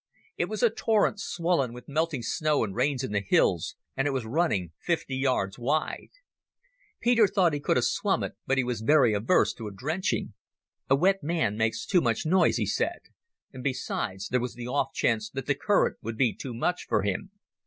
It was a torrent swollen with melting snow and rains in the hills, and it was running fifty yards wide. Peter thought he could have swum it, but he was very averse to a drenching. "A wet man makes too much noise," he said, and besides, there was the off chance that the current would be too much for him.